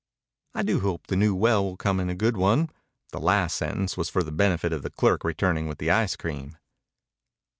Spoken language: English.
I do hope the new well will come in a good one." The last sentence was for the benefit of the clerk returning with the ice cream.